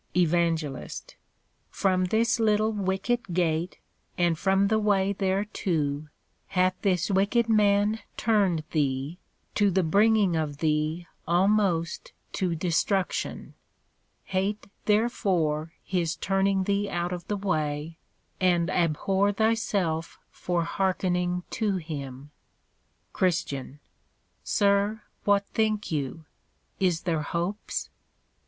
EVAN. From this little Wicket gate, and from the way thereto, hath this wicked man turned thee, to the bringing of thee almost to destruction; hate therefore his turning thee out of the way, and abhor thyself for hearkening to him. CHR. Sir, what think you? Is there hopes?